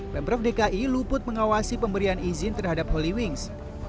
pemprov dki luput mengawasi pemberian izin terhadap holywings